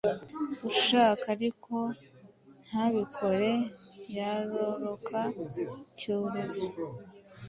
Ushaka ariko ntabikore, yororoka icyorezo.